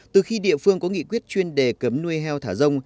từ khi địa phương có nghị quyết chuyên đề cấm nuôi heo thả rông